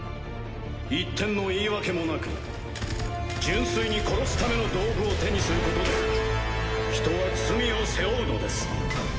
一点の言い訳もなく純粋に殺すための道具を手にすることで人は罪を背負うのです。